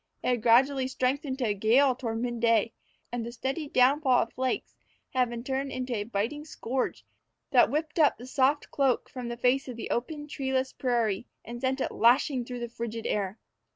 It had gradually strengthened to a gale toward midday, and the steady downfall of flakes had been turned into a biting scourge that whipped up the soft cloak from the face of the open, treeless prairie and sent it lashing through the frigid air.